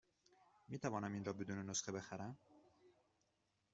می توانم این را بدون نسخه بخرم؟